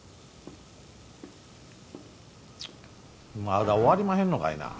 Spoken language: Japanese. まだ終わりまへんのかいな？